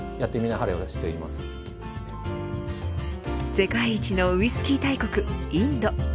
世界一のウイスキー大国インド。